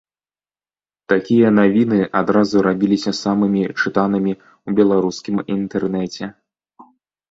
Такія навіны адразу рабіліся самымі чытанымі ў беларускім інтэрнэце.